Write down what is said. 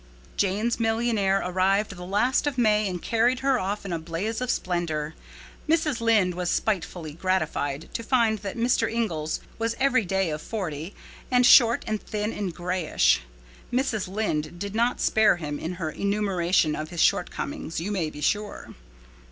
Jane's millionaire arrived the last of May and carried her off in a blaze of splendor. Mrs. Lynde was spitefully gratified to find that Mr. Inglis was every day of forty, and short and thin and grayish. Mrs. Lynde did not spare him in her enumeration of his shortcomings, you may be sure.